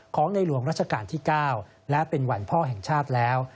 ในหลวงราชการที่๙และเป็นวันพ่อแห่งชาติแล้ว